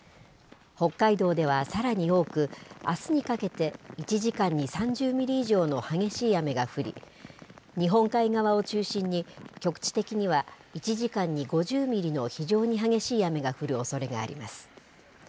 北海道ではさらに多く、あすにかけて、１時間に３０ミリ以上の激しい雨が降り、日本海側を中心に、局地的には１時間に５０ミリの非常に激しい雨が降るおそれがあります。